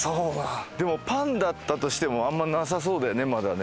でもパンだったとしてもあんまなさそうだよねまだね。